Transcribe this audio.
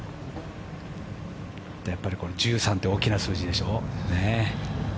やっぱり１３って大きな数字でしょ。